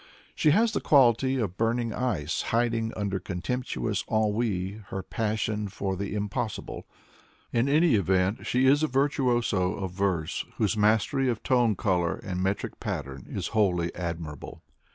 She has the quality of burning ice, hiding under contemptuous ennui her passion for the impos sible. In any event, she is a virtuoso of verse, whose mastery of tone color and metric pattern is wholly admirable.